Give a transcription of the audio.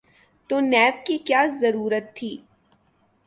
تو نیب کی کیا ضرورت تھی؟